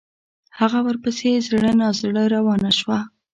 هغه ورپسې زړه نا زړه روانه شوه.